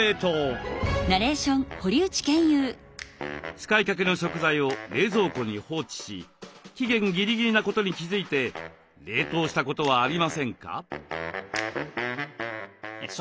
使いかけの食材を冷蔵庫に放置し期限ギリギリなことに気付いて冷凍したことはありませんか？